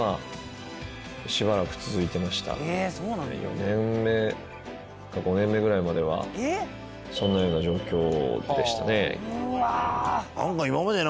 ４年目か５年目ぐらいまではそんなような状況でしたね。